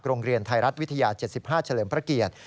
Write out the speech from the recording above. โรงเรียนไทยรัฐวิทยา๗๕เฉลิมพระเกียรติ